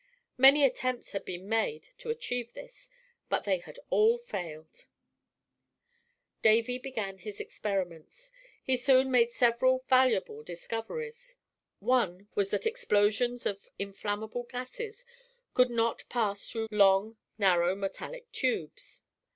Many attempts had been made to achieve this, but they had all failed, Davy began his experiments. He soon made several valuable discoveries. One was that explosions of inflammable gases could not pass through long narrow metallic tubes.